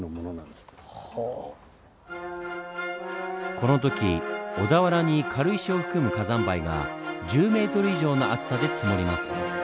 この時小田原に軽石を含む火山灰が１０ｍ以上の厚さで積もります。